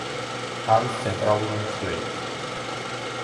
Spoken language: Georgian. არის ცენტრალური მცველი.